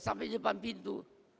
sampai depan pintu